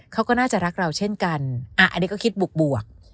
เขาก็น่าจะรักเราเช่นกันอันนี้ก็คิดบวก